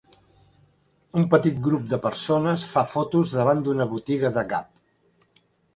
Un petit grup de persones fa fotos davant d'una botiga de Gap.